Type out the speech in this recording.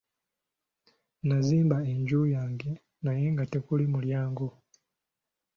Nazimba enju yange naye nga tekuli mulyango.